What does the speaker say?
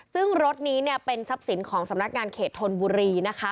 ซึ่งรถนี้เนี่ยเป็นทรัพย์สินของสำนักงานเขตธนบุรีนะคะ